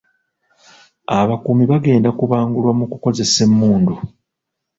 Abakuumi bagenda kubangulwa mu kukozesa emmundu.